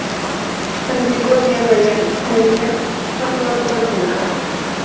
La antigua Vía Mariana, pasaba por la población.